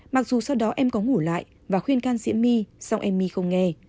mặc dù sau đó em có ngủ lại và khuyên can diễm my song em my không nghe